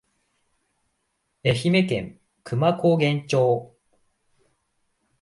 愛媛県久万高原町